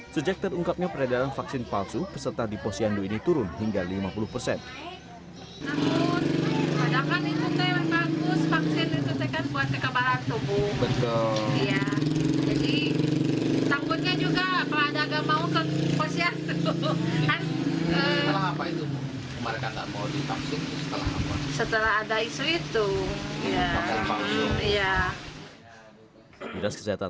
sejak terungkapnya peredaran vaksin palsu peserta di pos yandu ini turun hingga lima puluh persen